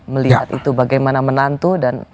melihat itu bagaimana menantu dan